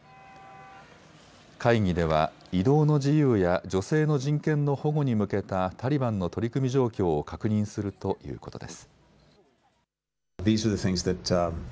会議では移動の自由や女性の人権の保護に向けたタリバンの取り組み状況を確認するということです。